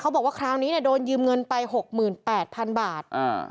บอกว่าคราวนี้เนี่ยโดนยืมเงินไป๖๘๐๐๐บาท